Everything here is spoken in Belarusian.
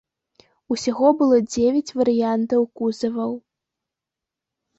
Усяго было дзевяць варыянтаў кузаваў.